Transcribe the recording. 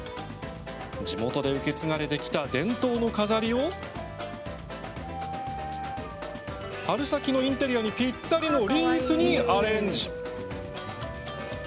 地元で受け継がれてきた伝統の飾りを春先のインテリアにぴったりのリースにアレンジ。